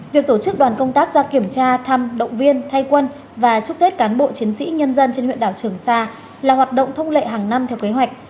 việc tổ chức đoàn công tác ra kiểm tra thăm động viên thay quân và chúc tết cán bộ chiến sĩ nhân dân trên huyện đảo trường sa là hoạt động thông lệ hàng năm theo kế hoạch